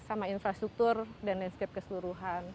sama infrastruktur dan landscape keseluruhan